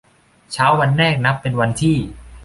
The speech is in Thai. เข้าวันแรกนับเป็นวันที่